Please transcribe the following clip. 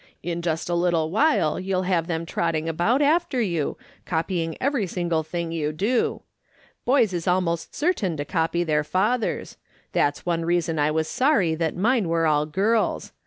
In just a little while you'll have them trotting about after you, copying every single tiling you do. Boys is almost certain to copy their fathers ; that's one reason I was sorry that mine were all girls.